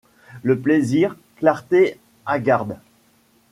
Le plaisir, clarté hagarde